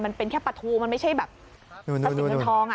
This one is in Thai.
มันเป็นแค่ปลาทูมันไม่ใช่แบบทรัพย์สินเงินทอง